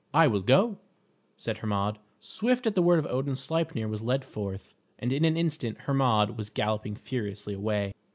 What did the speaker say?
"I will go," said Hermod; swift at the word of Odin Sleipner was led forth, and in an instant Hermod was galloping furiously away.